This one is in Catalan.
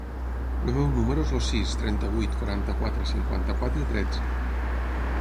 El meu número es el sis, trenta-vuit, quaranta-quatre, cinquanta-quatre, tretze.